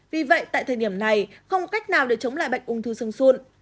vì vậy tại thời điểm này không có cách nào để chống lại bệnh ung thư xương xun